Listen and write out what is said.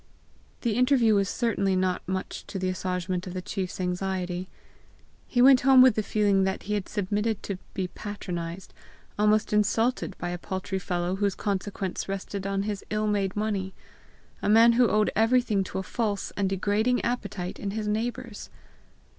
The interview was certainly not much to the assuagement of the chief's anxiety. He went home with the feeling that he had submitted to be patronized, almost insulted by a paltry fellow whose consequence rested on his ill made money a man who owed everything to a false and degrading appetite in his neighbours!